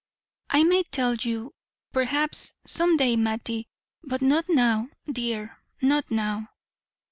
"I may tell you, perhaps, some day, Mattie, but not now, dear not now.